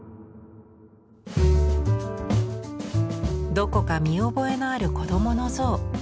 どこか見覚えのある子どもの象。